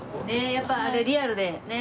やっぱあれリアルでね。